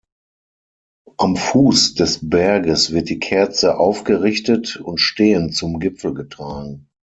Am Fuß des Berges wird die Kerze aufgerichtet und stehend zum Gipfel getragen.